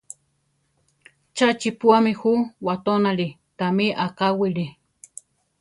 ¡Cha chiʼpúami ju watónali! Támi akáwili!